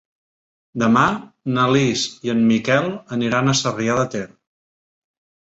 Demà na Lis i en Miquel aniran a Sarrià de Ter.